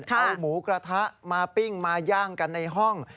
เอาหมูกระทะมาปิ้งมาย่างกันในห้อง